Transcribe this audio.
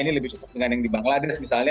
ini lebih cukup dengan yang di bangladesh misalnya